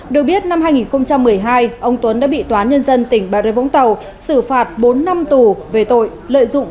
được biết năm hai nghìn một mươi hai ông tuấn đã bị tòa nhân dân tp vũng tàu xử phạt bốn năm tù về tội lợi dụng